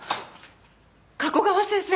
加古川先生！